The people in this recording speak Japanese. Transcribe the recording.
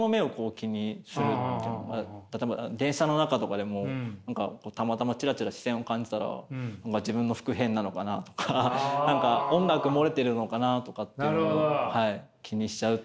例えば電車の中とかでも何かたまたまチラチラ視線を感じたら自分の服変なのかなとか何か音楽漏れてるのかなとかというのは気にしちゃう。